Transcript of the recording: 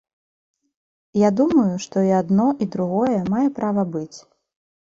Я думаю, што і адно, і другое мае права быць.